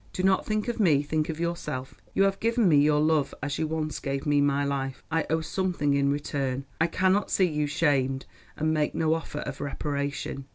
Do not think of me, think of yourself. You have given me your love as you once gave me my life. I owe something in return; I cannot see you shamed and make no offer of reparation.